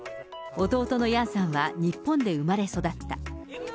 弟のヤンさんは日本で生まれ育った。